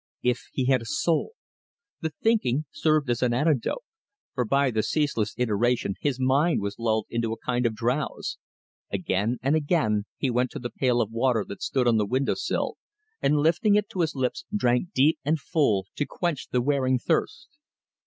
"If he had a soul!" The thinking served as an antidote, for by the ceaseless iteration his mind was lulled into a kind of drowse. Again and again he went to the pail of water that stood on the window sill, and lifting it to his lips, drank deep and full, to quench the wearing thirst.